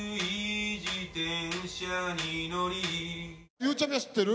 ゆうちゃみは知ってる？